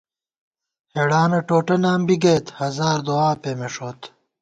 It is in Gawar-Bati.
ہېڑانہ ٹوٹہ نام بی گئیت، ہزار دُعا پېمېݭوت